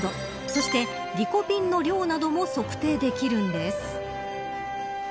そしてリコピンの量なども測定できるんです。